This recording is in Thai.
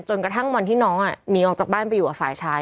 กระทั่งวันที่น้องหนีออกจากบ้านไปอยู่กับฝ่ายชาย